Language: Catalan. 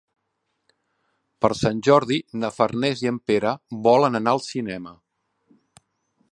Per Sant Jordi na Farners i en Pere volen anar al cinema.